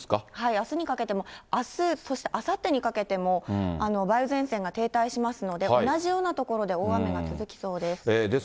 あすにかけても、あす、そしてあさってにかけても、梅雨前線が停滞しますので、同じような所で大雨が続きそうです。